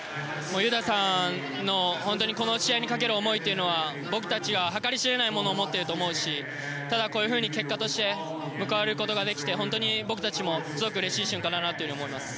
雄太さんのこの試合にかける思いは僕たちは計り知れないものを持っていると思うしただ、こういうふうに結果として報われることができて本当に僕たちもすごくうれしい瞬間だなと思います。